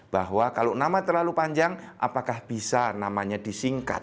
bahwa kalau nama terlalu panjang apakah bisa namanya disingkat